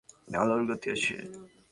আলোর গতি আছে।